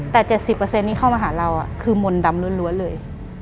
แต่๗๐ที่เข้ามาหาเราคือมนต์ดำล้วนเลย